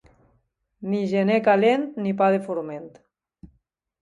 Ni gener calent, ni pa de forment.